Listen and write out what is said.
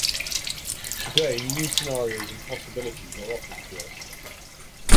Today new scenarios and possibilities are offered to us